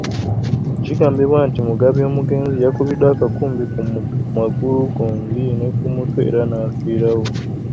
Kigambibwa nti, Mugabi omugenzi yakubiddwa akakumbi ku magulu gombi ne ku mutwe era n'afiirawo.